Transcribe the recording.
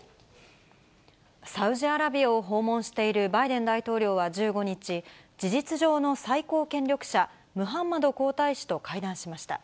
サウジアラビアを訪問しているバイデン大統領は１５日、事実上の最高権力者、ムハンマド皇太子と会談しました。